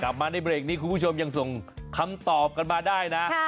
กลับมาในเบรกนี้คุณผู้ชมยังส่งคำตอบกันมาได้นะ